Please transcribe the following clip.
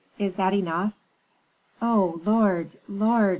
Is that enough?" "Oh, lord, lord!"